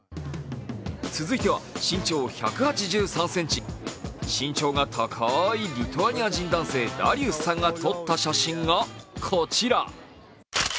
続いては身長１８３ｃｍ身長が高いリトアニア人男性、ダリウスさんが撮った写真がこちら。